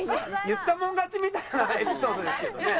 言ったもん勝ちみたいなエピソードですけどね。